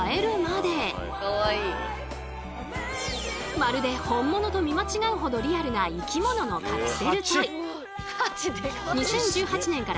まるで本物と見間違うほどリアルな生き物のカプセルトイ。